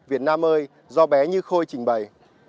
việt nam ơi do bé như khôi trình bày